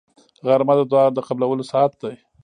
غرمه د دعا د قبولو ساعت دی